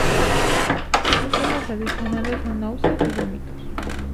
Síntomas adicionales son náuseas y vómitos.